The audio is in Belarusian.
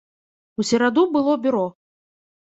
У сераду было бюро.